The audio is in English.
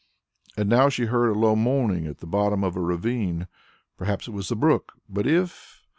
And now she heard a low moaning at the bottom of the ravine. Perhaps it was the brook, but if...?